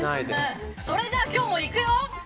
それじゃあ今日もいくよ。